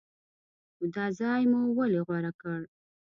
نو دا ځای مو ولې غوره کړ؟